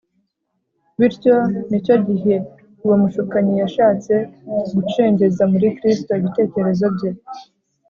Bityo n’icyo gihe uwo mushukanyi yashatse gucengeza muri Kristo ibitekerezo bye.